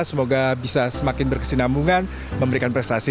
semoga bisa semakin berkesinambungan memberikan prestasi